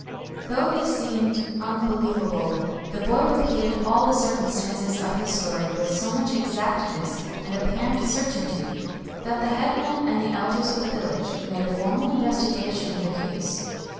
Though this seemed unbelievable, the boy repeated all the circumstances of his story with so much exactness and apparent cer tainty, that the Headman and the elders of the village made a formal investigation of the 270 THE REBIRTH OF KATSUGORO case.